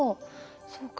そうか。